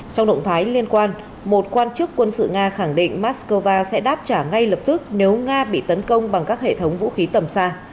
trong động thái liên quan một quan chức quân sự nga khẳng định moscow sẽ đáp trả ngay lập tức nếu nga bị tấn công bằng các hệ thống vũ khí tầm xa